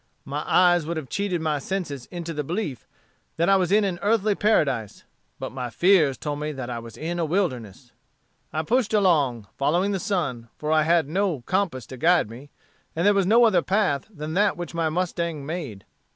My eyes would have cheated my senses into the belief that I was in an earthly paradise, but my fears told me that I was in a wilderness. "I pushed along, following the sun, for I had no compass to guide me, and there was no other path than that which my mustang made.